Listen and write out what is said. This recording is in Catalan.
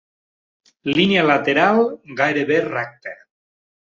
Línia lateral gairebé recta.